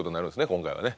今回はね。